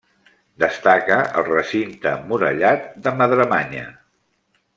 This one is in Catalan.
Destaca el Recinte emmurallat de Madremanya.